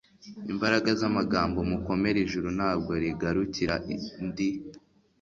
imbaraga zamagambo mukomere ijuru ntabwo rigarukira ndi